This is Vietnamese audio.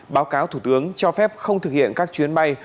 báo cáo thủ tướng cho phép không thực hiện các chuyến bay